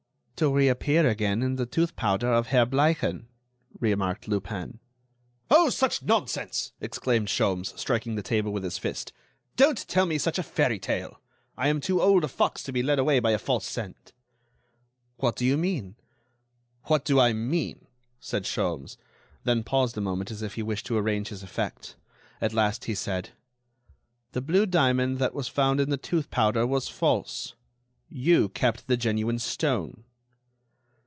"To reappear again in the tooth powder of Herr Bleichen," remarked Lupin. "Oh! such nonsense!" exclaimed Sholmes, striking the table with his fist, "don't tell me such a fairy tale. I am too old a fox to be led away by a false scent." "What do you mean?" "What do I mean?" said Sholmes, then paused a moment as if he wished to arrange his effect. At last he said: "The blue diamond that was found in the tooth powder was false. You kept the genuine stone."